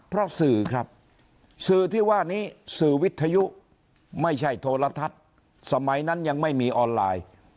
เพราะสื่อครับสื่อที่ว่านี้สื่อวิทยุไม่ใช่โทรทัศน์สมัยนั้นยังไม่มีออนไลน์